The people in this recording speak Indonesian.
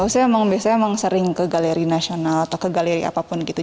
saya emang biasanya emang sering ke galeri nasional atau ke galeri apapun gitu